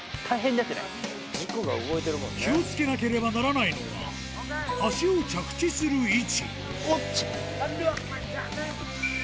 気を付けなければならないのが足を着地する位置おっ！